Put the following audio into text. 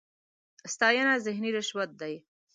ستاېنه ذهني رشوت دی.